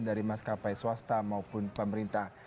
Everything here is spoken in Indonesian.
dari maskapai swasta maupun pemerintah